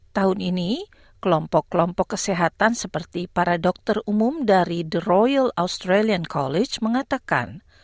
tahun ini kelompok kelompok kesehatan seperti para dokter umum dari the royal australian college mengatakan